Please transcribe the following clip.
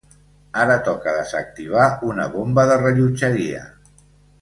Ara toca desactivar una bomba de rellotgeria.